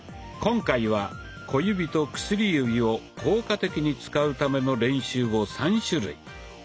今回は小指と薬指を効果的に使うための練習を３種類。